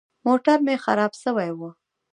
موټر مې خراب سوى و.